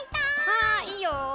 あいいよ。